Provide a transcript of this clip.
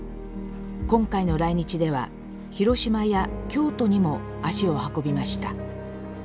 今回の来日では広島や京都にも足を運びました。